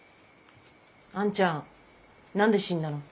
兄ちゃん何で死んだの？